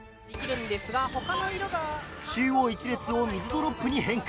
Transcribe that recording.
中央１列を水ドロップに変化。